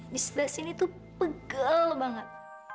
di sebelah sini tuh pegal banget